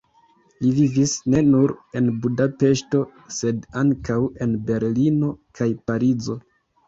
Li vivis ne nur en Budapeŝto, sed ankaŭ en Berlino kaj Parizo.